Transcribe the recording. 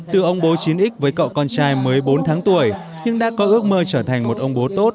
từ ông bố chín x với cậu con trai mới bốn tháng tuổi nhưng đã có ước mơ trở thành một ông bố tốt